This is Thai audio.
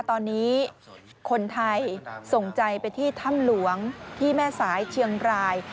ตอนนี้คนไทยส่งใจไปที่ถ้ำหลวงที่แม่สายเชียงราย